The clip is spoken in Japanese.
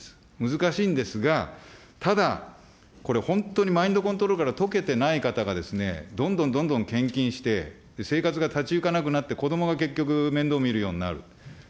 難しいんですが、ただ、これ、本当にマインドコントロールから解けてない方がどんどんどんどん献金して、生活がたちゆかなくなって、子どもが結局、面倒をみるようになる。